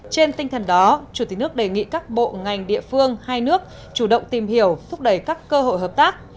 trên tinh thần đó chủ tịch nước đề nghị các bộ ngành địa phương hai nước chủ động tìm hiểu thúc đẩy các cơ hội hợp tác